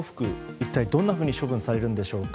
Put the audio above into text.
一体どんなふうに処分されるのでしょうか。